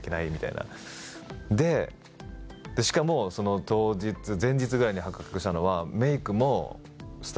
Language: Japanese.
でしかも前日ぐらいに発覚したのが。